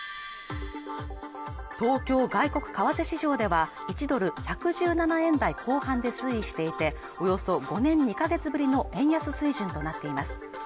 東京外国為替市場では１ドル１１７円台後半で推移していておよそ５年２か月ぶりの円安水準となっています